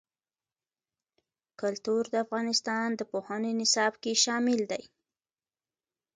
کلتور د افغانستان د پوهنې نصاب کې شامل دي.